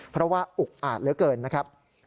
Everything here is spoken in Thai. เพราะว่าอุกอาจเหลือเกินนะครับ